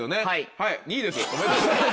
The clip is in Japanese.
はい２位です。